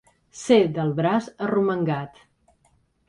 Ser del braç arromangat.